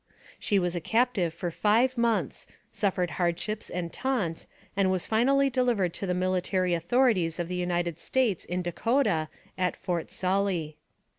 She was a captive for five months, suffered hardships and taunts, and was finally delivered to the military authorities of the United States in Dakota, at Fort Sully.